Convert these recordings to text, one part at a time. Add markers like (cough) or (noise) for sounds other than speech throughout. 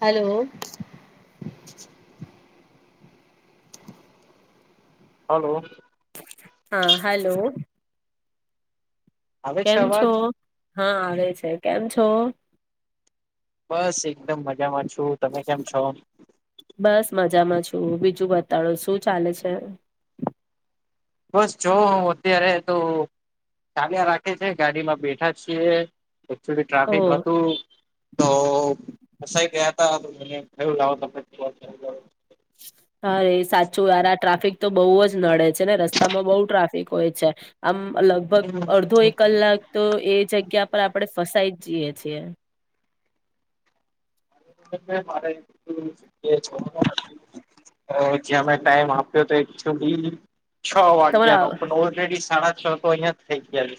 Hello. Hello. હા hello આવે છે કેમ છો? અવાજ હા આવે છે કેમ છો? બસ એકદમ મજામાં છ. બસ મજામાંજ. છું, બીજું બતાડો શું ચાલે છે? બસ જો હું અત્યારે તો ચાલ્યા રાખે છે. એકચુલી ટ્રાફિક ઓહ હતું તો ફસાઈ ગયા કયું લાવ પ (unintelligible) અરે સાચું યાર આ ટ્રાફિક તો બહુ જ નડે છે ને રસ્તામાં બહુ ટ્રાફિક હોય છે આમ. લગભગ અડધો એક કલાક તો એ જગ્યા પર આપડે ફસાઈ જઈએ છીએ. જ્યા મે ટાઈમ આપ્યો તો બી છ વાગ્યાનો તમારા ઓ પણ ઓલરેડી સાડા‌ છ તો અહિયાં જ થઈ ગયા.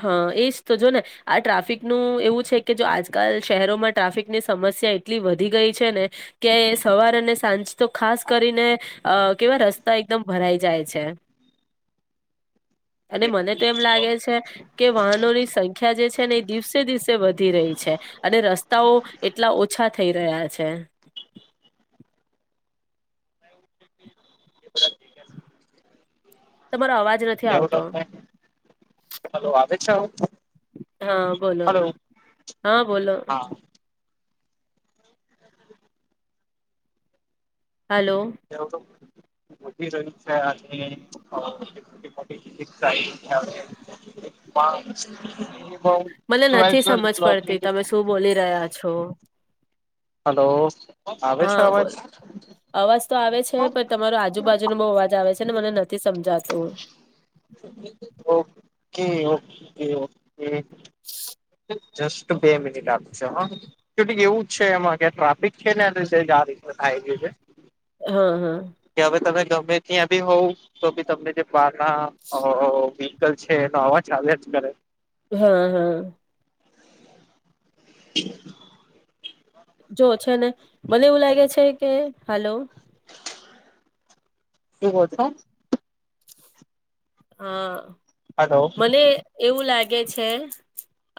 હા એજ તો જો ને આ ટ્રાફિકનું એવું છે કે જો આજકાલ શહેરોમાં ટ્રાફિકની સમસ્યા એટલી વધી ગઈ છે ને કે સવાર અને સાંજ તો ખાસ કરીને. અ કેવા રસ્તા એકદમ ભરાઈ જાય છે. અને છે મને તો એમ લાગે છે કે વાહનોની સંખ્યા જે છે ને એ દિવસે દિવસે વધી રહી છે. અને રસ તાઓ એટલા ઓછા થઈ રહ્યા છ. તે. તમારો અવાજ નથી કેવું આવતો તમને હલો આવે છે અવાજ? હા બોલો હલો હા બોલો. હા હાલો (inaudible) ઉભી રહ્યું છે. અને (inaudible) મને ટ્વેલ્થ નથી ટ્વેલ્થ સમજ ક્લાસની પડતી તમે શું બોલી રહ્યા છો. હલો. આવે છે હા, અવાજ બોલો અવાજ તો આવે છે. પ તમારો આજુબાજુનો બહુ અવાજ આવે છે એટલે મને નથી સમજા ઓકે ઓ (inaudible) (inaudible) જસ્ટ બે મિનિટ આપજો હ કે એવું જ છે એમાં ત્યાં ટ્રાફિક છે ને (inaudible) આઈ ડી છે. હા, હા, કે હવે તમે ગમે ત્યાં બી હોવ તો બી તમને જે બહાર ના વિવ્હકલ છે. એનો અવાજ આવ્યા જ કરે, હા, હા (inaudible) જો છે ને. મને એવું લાગે છે કે હલો. શું બો છે. હા. હલો મને એવું લા કે છે.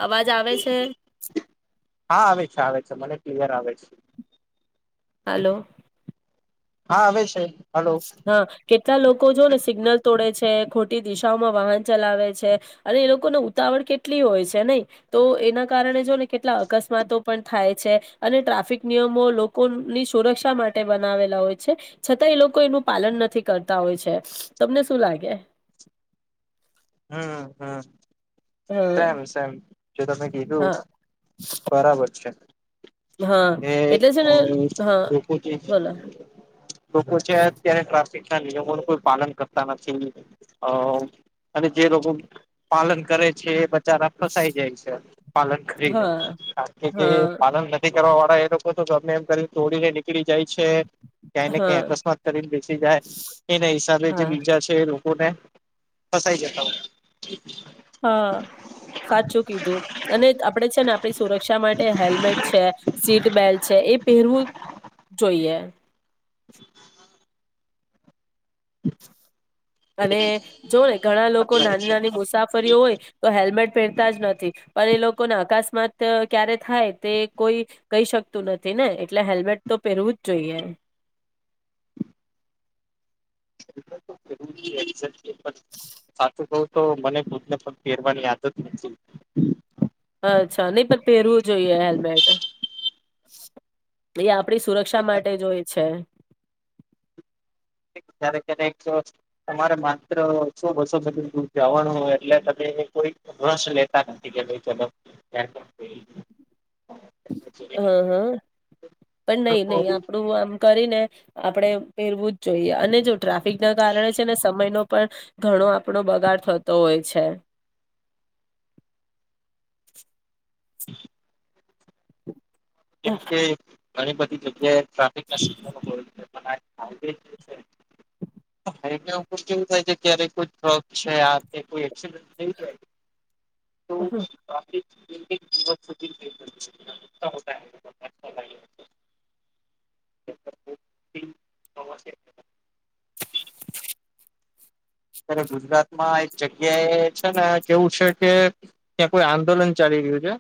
અવાજ આવે છે? હા, આવે છે આવે છે મને ક્લિયર આવે છે. હલો. હા આવે છે. હલો હા કેટલા લોકો જો ને સિગ્નલ તોડે છે. છે ખોટી દિશાઓમાં વાહન ચલાવે છે અને એ લોકોને ઉતાવળ કેટલી હોય છે નહી તો એના કારણે જો ને કેટલા અકસ્માતો પણ થાય છે અને ટ્રાફિક નિયમો લોકોની સુરક્ષા માટે બનાવેલા હોય છે છતાં એ લોક કો એનું પાલન નથી કરતા હોય છે તમને શું લાગે. હમ હમ. હા સેમ સેમ જે તમે કીધું હા બરાબર છે. હા એ એટલે છે અ ને હા લોકો જે બોલો લોકો છે અત્યારે ટ્રાફ કેટલા નિયમો ન કોઈ પાલન કરતા નથી, અ અને જે લોકો પાલન કરે છે ચારા ફસાઈ જાય છે પાલન કરીને હા કારણ કે જે હા પાલન (unintelligible) કેવા વાળા એ લોકો તો ગમે એમ કરી તોડીને નીકળી જાય છે. ક્યાંયને હા ક્યાં અકસ્માત કરીને બેસી જાય, એના હિસાબે જે હા બીજા છે લો કો ને ફસાઈ જતા હોય. હા સાચું કીધું અને આપડે છે ને આપણી સુરક્ષા માટે હેલ્મેટ છે સીટ બેલ્ટ છે એ પહેરવું જો જોઈએ. અને જો ને ઘણા લોકો હોય છે નાની નાની મુસાફરીઓ હોય, તો હેલ્મેટ પહેરતા જ નથી પણ એ લોકોને અકસ્માત ક્યારે થાય તે કોઈ કહી શકતું નથી ને એટલે હેલ્મેટ તો પહેરવું જ જોઈએ. હેલ્મેટ તો પેરવુ જ જરૂરી છે. સાચું કઉ તો મને ખુદને પણ પેરવાની આદત નથી. અચ્છા નહી પણ પહેરવું જોઈએ હેલ્મેટ. એ આપડી સુરક્ષા માટે હોય છે. કયારે કયારેકે તમારે માત્ર સો બસો થકી દૂર જવાનું હોય એટલે થકી કોઈ રસ લેતા નથી કે ભાઈ ચલો હેલ્મેટ પેરી લઈએ. હા હા, પણ નહી ચલો નહી આપડું આમ કરીને આપડે પહેરવું જ જોઈએ અને જો ટ્રાફિક ના કારણે છે ને સમય નો પણ, ઘણો આપડો બગાડ થતો હોય છે. (inaudible) કેમ કે ઘણી બધી જગ્યાએ ટ્રાફિકના કલાસીસ (unintelligible) હાઈવે તો છે હાઈવે ઉપર કેવું થાય છે ક્યારે કોઈ ટ્રક છે આ કોઈ એક્સિડન્ટ થઈ જાય (unintelligible) તો હમ ટ્રાફિ (unintelligible) (unintelligible) અત્યારે ગુજરાતમાં એક જગ્યા એ છે ને કેવું છે કે ત્યાં કોઈ આંદોલન ચાલી રિયુ છે.